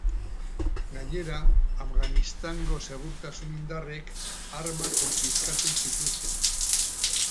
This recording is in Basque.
Gainera, Afganistango segurtasun indarrek armak konfiskatu zituzten.